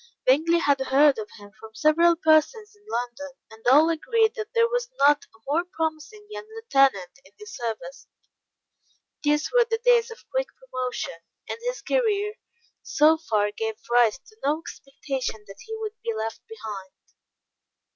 Bingley had heard of him from several persons in London, and all agreed that there was not a more promising young lieutenant in the service. These were the days of quick promotion, and his career so far gave rise to no expectation that he would be left behind.